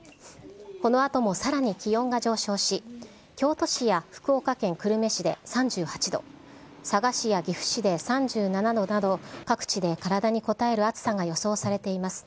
このあともさらに気温が上昇し、京都市や福岡県久留米市で３８度、佐賀市や岐阜市で３７度など、各地で体にこたえる暑さが予想されています。